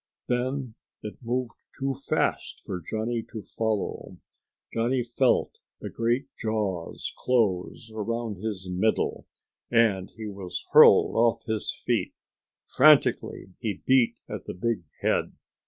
Then it moved too fast for Johnny to follow. Johnny felt the great jaws close around his middle, and he was hurled off his feet. Frantically he beat at the big head.